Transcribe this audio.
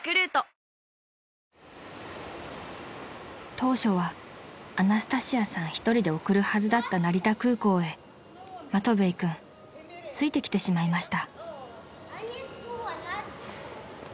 ［当初はアナスタシアさん一人で送るはずだった成田空港へマトヴェイ君ついてきてしまいました］